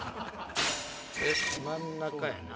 真ん中やな。